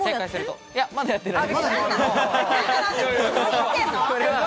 まだやってない。